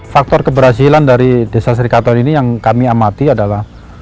faktor keberhasilan dari desa serikatau ini yang kami amati adalah